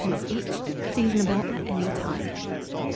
each. Seasonable at any time.